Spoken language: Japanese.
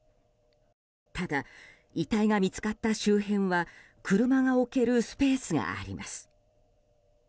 ただ、遺体が見つかった周辺は車が置けるスペースがあります。